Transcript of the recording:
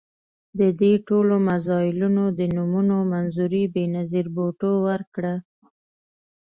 د دې ټولو میزایلونو د نومونو منظوري بېنظیر بوټو ورکړه.